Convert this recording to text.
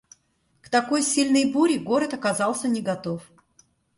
К такой сильной буре город оказался не готов.